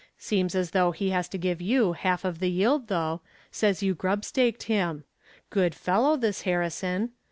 Seems as though he has to give you half of the yield, though. Says you grub staked him. Good fellow, this Harrison.